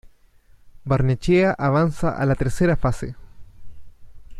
Barnechea avanza a la tercera fase.